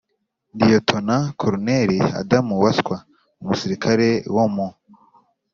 liyetona koloneli adam waswa: umusirikari wo mu